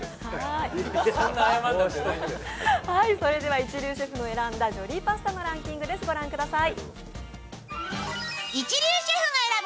一流シェフの選んだジョリーパスタのランキングを御覧ください。